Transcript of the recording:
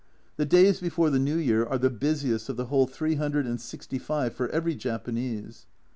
The days before the New Year are the busiest of the whole three hundred and sixty five for every Japanese.